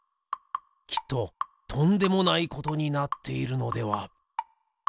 きっととんでもないことになっているのでは？